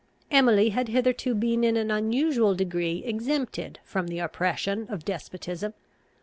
Emily had hitherto been in an unusual degree exempted from the oppression of despotism.